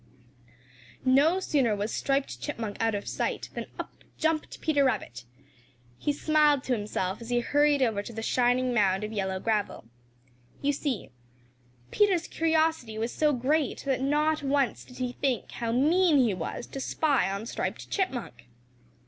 No sooner was Striped Chipmunk out of sight than up jumped Peter Rabbit. He smiled to himself as he hurried over to the shining mound of yellow gravel. You see Peter's curiosity was so great that not once did he think how mean he was to spy on Striped Chipmunk.